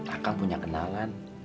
akang punya kenalan